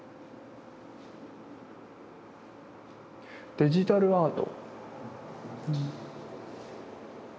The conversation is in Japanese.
デジタルアート。